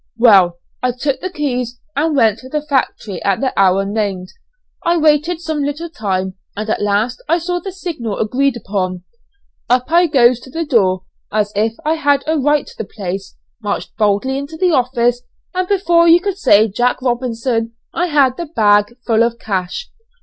Well I took the keys, and went to the factory at the hour named, I waited some little time, and at last I saw the signal agreed upon. Up I goes to the door, as if I had a right to the place, marched boldly into the office, and before you could say 'Jack Robinson' I had the bag full of cash.